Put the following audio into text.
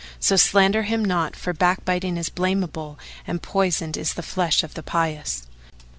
So slander him not, for backbiting is blameable and poisoned is the flesh of the pious.